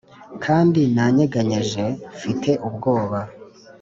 kandi nanyeganyeje mfite ubwoba